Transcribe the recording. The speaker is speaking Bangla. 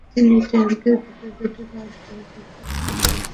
তিনি ট্যাংকের ভেতরে দুটি লাশ পড়ে থাকতে দেখে পুলিশকে খবর দেন।